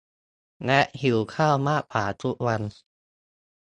และหิวข้าวมากกว่าทุกวัน